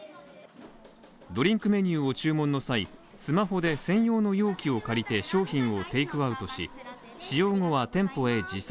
ドリンクメニューを注文の際、スマホで専用の容器を借りて商品をテイクアウトし、使用後は店舗へ持参。